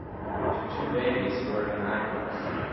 the two babies wearing eye glass